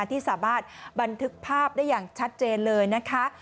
ที่สามารถบันทึกภาพได้อย่างชัดเจนเลยนะคะ